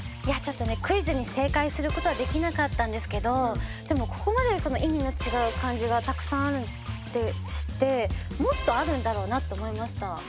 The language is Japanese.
いやちょっとねクイズに正解することはできなかったんですけどでもここまで意味の違う漢字がたくさんあるって知ってもっとあるんだろうなと思いました。